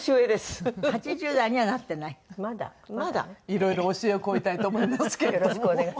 いろいろ教えを請いたいと思いますけれども。